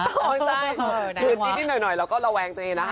ตื่นทิ้งหน่อยแล้วก็ระวังตัวเองนะ